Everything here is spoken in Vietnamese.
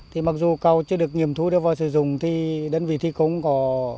thì mặc dù cầu chưa được nghiệm thu đưa vào sử dụng thì đơn vị thi công có